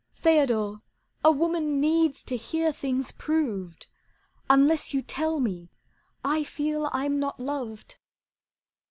"Theodore, a woman needs to hear things proved. Unless you tell me, I feel I'm not loved."